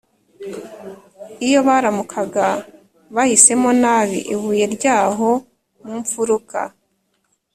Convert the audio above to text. iyo baramukaga bahisemo nabi ibuye ry’aho mu mfuruka,